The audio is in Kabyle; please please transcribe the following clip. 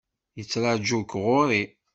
Yettraju-k ɣur-i.